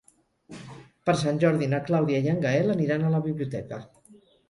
Per Sant Jordi na Clàudia i en Gaël aniran a la biblioteca.